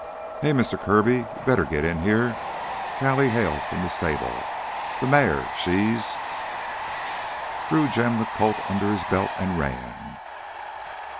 "Hey! Mister Kirby, you better git in here!" Callie hailed from the stable. "Th' mare ... she's...." Drew jammed the Colt under his belt and ran.